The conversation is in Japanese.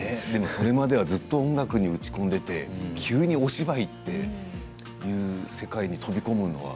それまではずっと音楽に打ち込んでいて急にお芝居っていう世界に飛び込むのは。